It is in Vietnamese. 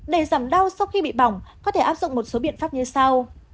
để giảm đau sau khi bị bỏng có thể áp dụng một số biện pháp như sau